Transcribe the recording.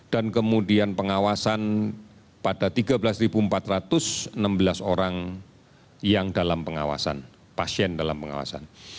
dan kemudian pengawasan pada tiga belas empat ratus enam belas orang yang dalam pengawasan pasien dalam pengawasan